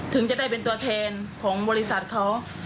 ถึงจะได้เป็นตัวแทนของบริษัทเขา